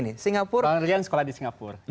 pak rian sekolah di singapura